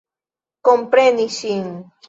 Kompreni ŝin.